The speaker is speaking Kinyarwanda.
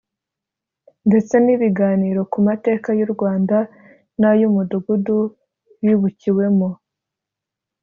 ndetse n ibiganiro ku mateka y u rwanda n ay umudugudu wibukiwemo